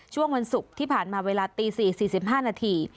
ช่วงวันศุกร์ที่ผ่านมาเวลาตี๔๔๕นาที